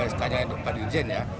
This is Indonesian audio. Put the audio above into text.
sekarang dua puluh empat desember ya